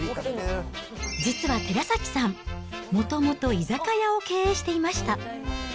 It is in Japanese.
実は寺崎さん、もともと居酒屋を経営していました。